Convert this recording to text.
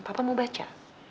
papa mau baca